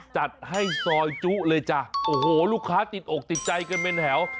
จัดให้ซอยจุเลยจ้ะโอ้โหลูกค้าติดอกติดใจกันเป็นแถว